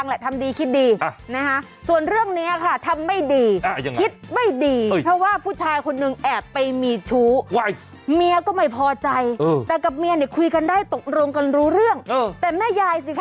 นี่ประกาศโทรโคงดังทั่วลั้นไปทั่วพื้นที่